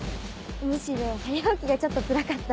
むしろ早起きがちょっとつらかった。